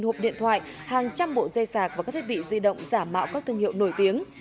một hộp điện thoại hàng trăm bộ dây sạc và các thiết bị di động giả mạo các thương hiệu nổi tiếng